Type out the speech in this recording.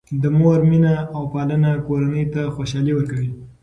د مور مینه او پالنه کورنۍ ته خوشحالي ورکوي.